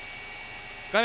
画面